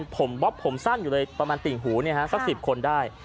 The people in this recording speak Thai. ผมบ๊อบผมสั้นอยู่เลยประมาณติ่งหูสัก๑๐คนได้